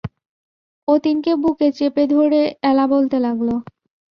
অতীনকে বুকে চেপে ধরে এলা বলতে লাগল।